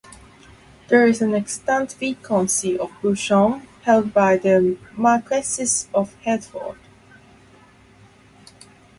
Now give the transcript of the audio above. There is an extant Viscountcy of Beauchamp, held by the Marquesses of Hertford.